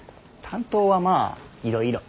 担当はまあいろいろ。